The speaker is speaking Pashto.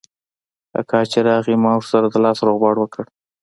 اکا چې راغى ما ورسره د لاس روغبړ وکړ.